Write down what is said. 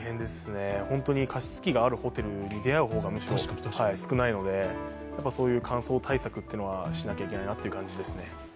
加湿器があるホテルに出会う方が少ないのでそういう乾燥対策はしないといけないなという感じですね。